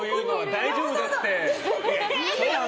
大丈夫だって！